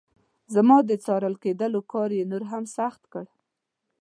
زما د څارل کېدلو کار یې نور هم سخت کړ.